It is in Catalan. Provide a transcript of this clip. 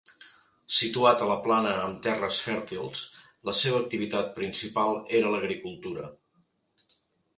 Situat a la plana amb terres fèrtils, la seva activitat principal era l'agricultura.